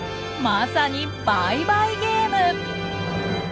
まさに倍倍ゲーム！